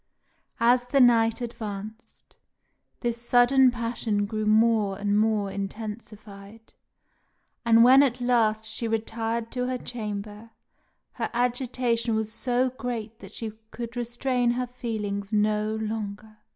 As the night advanced, this sudden passion grew more and more intensified; and when at last she retired to her chamber, her agitation was so great that she could restrain her feelings no longer.